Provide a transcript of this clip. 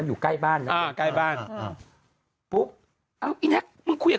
งานเงินไม่คุยหรอ